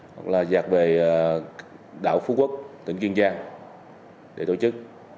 hoặc là giạc về đảo phú quốc tỉnh kiên giang để tổ chức